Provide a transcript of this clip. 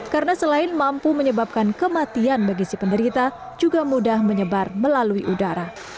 karena selain mampu menyebabkan kematian bagi si penderita juga mudah menyebar melalui udara